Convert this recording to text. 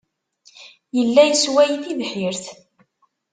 Yella yessway tibḥirt.